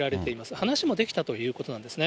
話しもできたということなんですね。